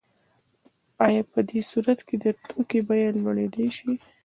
آیا په دې صورت کې د توکي بیه لوړیدای شي؟